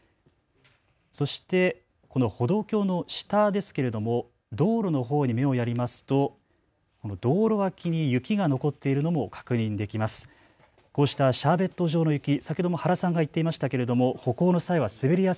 そして、この歩道橋の下ですが道路のほうに目をやりますと道路脇に雪が残っているのも確認できます。